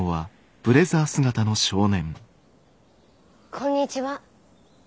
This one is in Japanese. こんにちは。